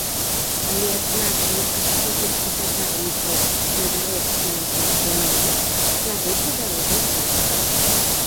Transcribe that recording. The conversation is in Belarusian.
Але адзначылі адсутнасць паказальнікаў на дарогах на англійскай мове, слабы прыдарожны сервіс.